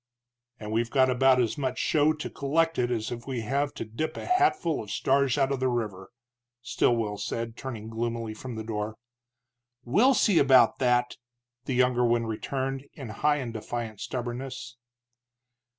"And we've got about as much show to collect it as we have to dip a hatful of stars out of the river," Stilwell said, turning gloomily from the door. "We'll see about that!" the younger one returned, in high and defiant stubbornness.